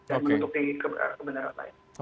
dan menutupi kebenaran lain